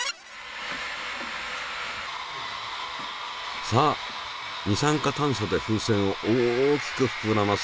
さあ二酸化炭素で風船を大きくふくらませて。